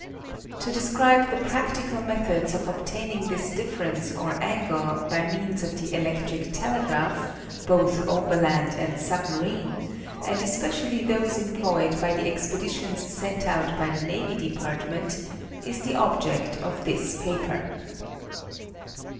To describe the practical methods of obtaining this difference or angle, by means of the electric telegraph both overland and sub marine, and especially those employed by the expeditions sent out by the Navy department, is the object of this paper.